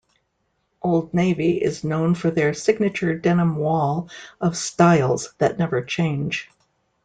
Old Navy is known for their signature denim wall of styles that never change.